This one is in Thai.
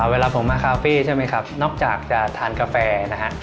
เวลาผมมาคาเฟ่ใช่ไหมครับนอกจากจะทานกาแฟนะฮะ